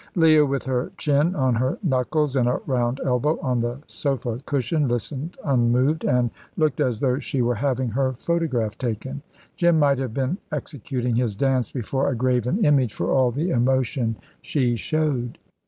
Leah, with her chin on her knuckles and a round elbow on the sofa cushion, listened unmoved, and looked as though she were having her photograph taken. Jim might have been executing his dance before a graven image for all the emotion she showed.